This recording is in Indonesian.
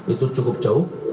itu cukup jauh